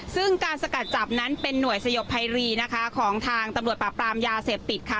ซึ่งการสกัดจับนั้นเป็นหน่วยสยบภัยรีนะคะของทางตำรวจปราบปรามยาเสพติดค่ะ